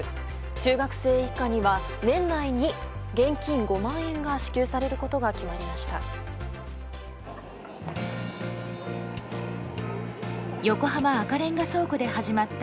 中学生以下には年内に現金５万円が支給されることが決まりました。